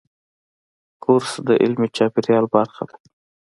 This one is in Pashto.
کورس د علمي چاپېریال برخه ده.